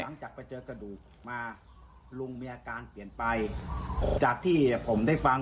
หลังจากไปเจอกระดูกมาลุงมีอาการเปลี่ยนไปจากที่ผมได้ฟัง